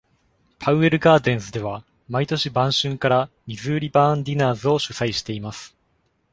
Powell Gardens では、毎年晩春から Missouri Barn Dinners を主催しています。